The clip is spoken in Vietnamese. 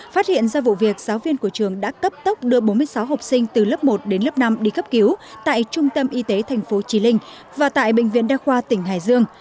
phát hiện ra vụ việc giáo viên của trường đã cấp tốc đưa bốn mươi sáu học sinh từ lớp một đến lớp năm đi cấp cứu tại trung tâm y tế tp trì linh và tại bệnh viện đa khoa tỉnh hải dương